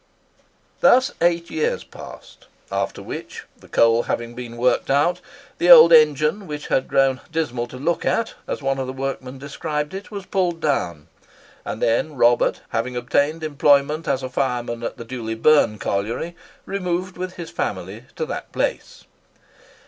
Thus eight years passed; after which, the coal having been worked out, the old engine, which had grown "dismal to look at," as one of the workmen described it, was pulled down; and then Robert, having obtained employment as a fireman at the Dewley Burn Colliery, removed with his family to that place.